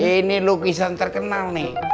ini lukisan terkenal nih